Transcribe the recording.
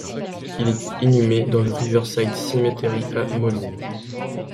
Il est inhumé dans le Riverside Cemetery à Moline.